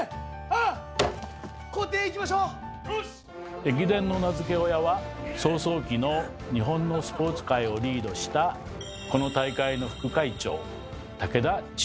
駅伝の名付け親は草創期の日本のスポーツ界をリードしたこの大会の副会長武田千代三郎です。